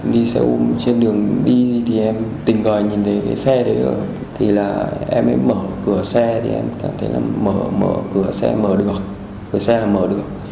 đi xe ô trên đường đi thì em tình cờ nhìn thấy cái xe đấy rồi thì là em mới mở cửa xe thì em cảm thấy là mở mở cửa xe mở được cửa xe là mở được